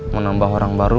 menambah orang baru